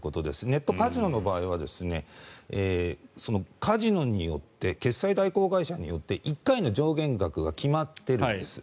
ネットカジノの場合はカジノによって決済代行会社によって１回の上限額が決まっているんです。